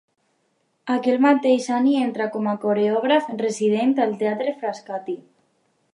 Aquell mateix any entra com a coreògraf resident al Teatre Frascati.